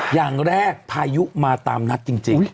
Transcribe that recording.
อย่างแรกพายุมาตามนัดจริง